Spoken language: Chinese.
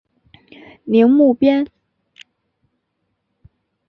宁木边。